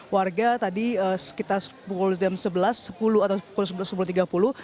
warga tadi sekitar pukul jam sebelas sepuluh atau pukul sebelas sepuluh tiga puluh